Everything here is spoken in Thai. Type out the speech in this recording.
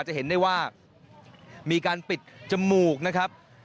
จะเห็นได้ว่ามีการปิดจมูกนะครับ